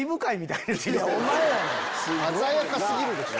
鮮やか過ぎるでしょ。